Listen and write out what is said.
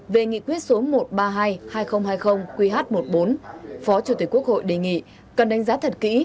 về nghị quyết số một trăm ba mươi hai hai nghìn hai mươi qh một mươi bốn phó chủ tịch quốc hội đề nghị cần đánh giá thật kỹ